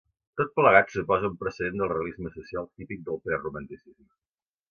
Tot plegat suposa un precedent del realisme social típic del preromanticisme.